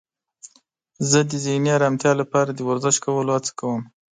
زه د ذهني آرامتیا لپاره د ورزش کولو هڅه کوم.